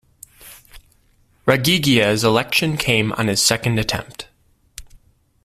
Ragigia's election came on his second attempt.